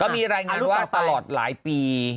มีรายงานว่าตลอดหลายปี